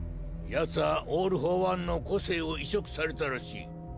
奴はオール・フォー・ワンの個性を移植されたらしい。